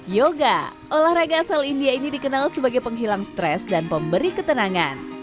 yoga olahraga asal india ini dikenal sebagai penghilang stres dan pemberi ketenangan